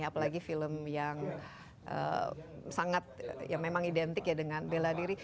apalagi film yang sangat ya memang identik ya dengan bela diri